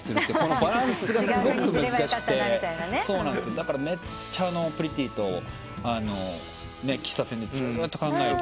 だからめっちゃプリティと喫茶店でずっと考えてて。